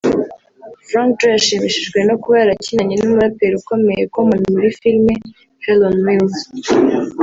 Frank Joe yashimishijwe no kuba yarakinanye n'umuraperi ukomeye Common muri filimi Hell on wheels